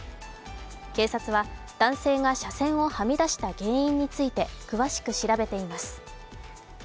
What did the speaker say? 警察は男性が車線をはみ出した原因について詳しく調べています。